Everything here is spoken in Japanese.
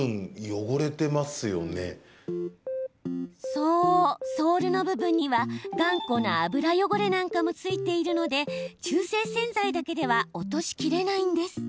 そう、ソールの部分には頑固な油汚れなんかも付いているので中性洗剤だけでは落としきれないんです。